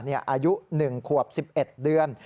อายุ๑ขวบ๑๑เดือน